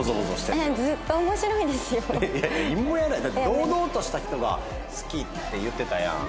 「堂々とした人が好き」って言ってたやん。